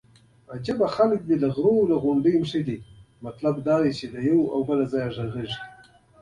له ځان سره مې وویل که دا وطن د بل چا وای.